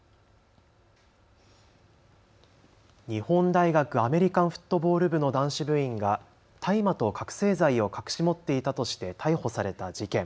日本大学アメリカンフットボール部の男子部員が大麻と覚醒剤を隠し持っていたとして逮捕された事件。